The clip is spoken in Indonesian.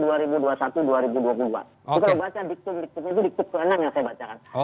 kalau baca diktum diktumnya itu diktum ke enam yang saya bacakan